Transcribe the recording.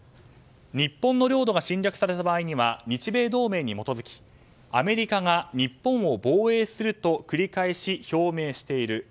日本の領土が侵略された場合には日米同盟に基づきアメリカが日本を防衛すると繰り返し表明している。